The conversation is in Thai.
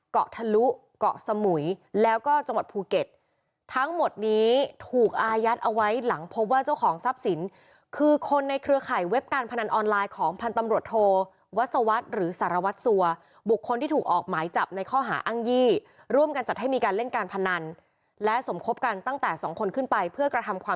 เกาะทะลุเกาะสมุยแล้วก็จังหวัดภูเก็ตทั้งหมดนี้ถูกอายัดเอาไว้หลังพบว่าเจ้าของทรัพย์สินคือคนในเครือข่ายเว็บการพนันออนไลน์ของพันธ์ตำรวจโทวัศวรรษหรือสารวัตรสัวบุคคลที่ถูกออกหมายจับในข้อหาอ้างยี่ร่วมกันจัดให้มีการเล่นการพนันและสมคบกันตั้งแต่สองคนขึ้นไปเพื่อกระทำความ